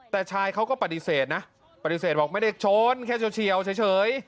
แต่ชายเขาก็ปฏิเสธนะปฏิเสธบอกไม่ได้ชนแค่เฉียวเฉย